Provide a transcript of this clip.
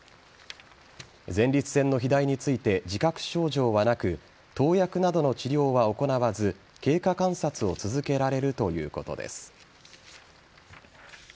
前立腺の肥大について自覚症状はなく投薬などの治療は行わず経過観察を続けられるということです。